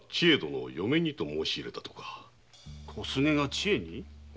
小菅が千恵に？